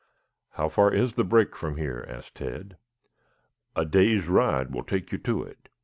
"How far is the brake from here?" asked Tad. "A day's ride will take you to it.